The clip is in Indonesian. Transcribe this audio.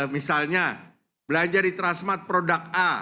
misalnya belanja di transmat produk a